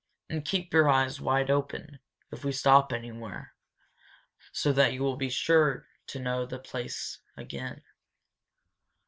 And keep your eyes wide open, if we stop anywhere, so that you will be sure to know the place again!"